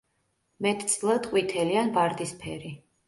მეტწილად ყვითელი ან ვარდისფერი.